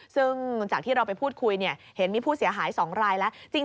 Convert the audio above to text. ซึ่งจากที่เราไปพูดคุยเห็นมีผู้เสียหาย๒รายแล้ว